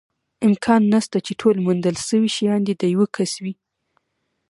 امکان نشته، چې ټول موندل شوي شیان د یوه کس وي.